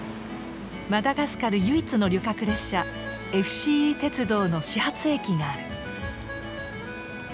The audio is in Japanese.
マダガスカル唯一の旅客列車ＦＣＥ鉄道の始発駅がある。